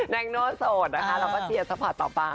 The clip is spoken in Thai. แน่งโน่นโสดนะคะเราก็เตียนสภาพต่อไป